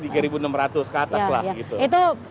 ke atas lah gitu itu